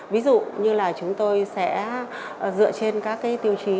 ví dụ như là chúng tôi sẽ dựa trên các cái tiêu chí